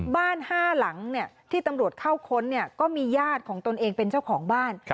บ้าน๕หลังที่ตำรวจเข้าค้นก็มีญาติของตนเองเป็นเจ้าของบ้าน